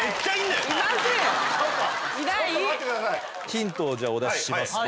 ヒントをじゃあお出ししますと。